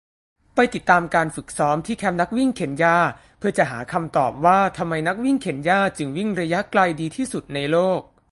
ไปติดตามการฝึกซ้อมที่แคมป์นักวิ่งเคนยาเพื่อจะหาคำตอบว่า ทำไมนักวิ่งเคนยาจึงวิ่งระยะไกลดีที่สุดในโลก